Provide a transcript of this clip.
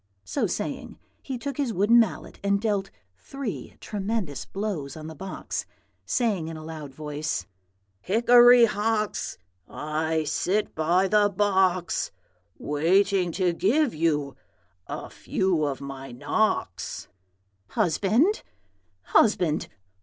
So saying, he took his wooden mallet and dealt three tremendous blows on the box, saying in a loud voice, 'Hickory Hox! I sit by the box, Waiting to give you a few of my knocks.' "'Husband, husband!